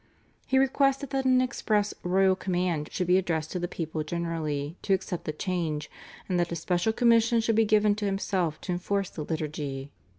He requested that an express royal command should be addressed to the people generally to accept the change, and that a special commission should be given to himself to enforce the liturgy.